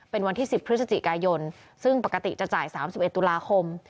เป็นวันที่๑๐พฤศจิกายนซึ่งปกติจะจ่าย๓๑ตุลาคม